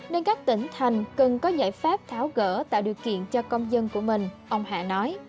nên các tỉnh thành cần có giải pháp tháo gỡ tạo điều kiện cho công dân của mình ông hạ nói